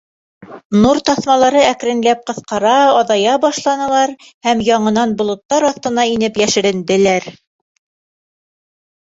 Нур таҫмалары әкренләп ҡыҫҡара, аҙая башланылар һәм яңынан болоттар аҫтына инеп йәшеренделәр.